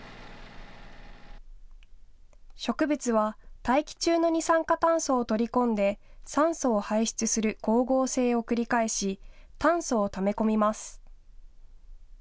植物は大気中の二酸化炭素を取り込んで酸素を排出する光合成を繰り返し、炭素をため込みます。